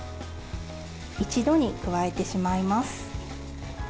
一度に加えてしまいます。